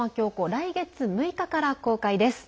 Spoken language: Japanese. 来月６日から公開です。